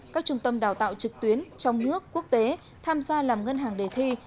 các trung tâm đào tạo trực tuyến trong nước quốc tế tham gia làm ngân hàng đề thi